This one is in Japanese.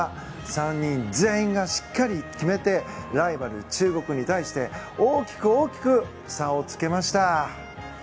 ３人全員がしっかり決めてライバル中国に対して大きく大きく差を付けました。